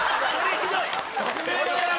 ひどい！